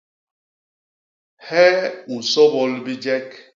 Hee u nsôbôl bijek?